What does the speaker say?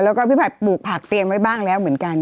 แล้วก็พี่ผัดปลูกผักเตรียมไว้บ้างแล้วเหมือนกัน